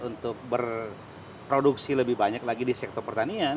untuk berproduksi lebih banyak lagi di sektor pertanian